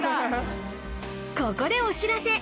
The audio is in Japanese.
ここでお知らせ。